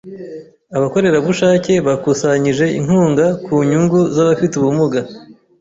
Abakorerabushake bakusanyije inkunga ku nyungu z’abafite ubumuga.